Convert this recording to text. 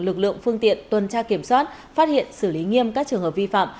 lực lượng phương tiện tuần tra kiểm soát phát hiện xử lý nghiêm các trường hợp vi phạm